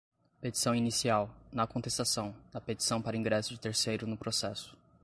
petição inicial, na contestação, na petição para ingresso de terceiro no processo